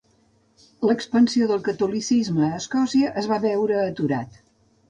L'expansió del catolicisme a Escòcia es va veure aturat.